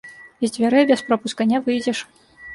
З дзвярэй без пропуска не выйдзеш.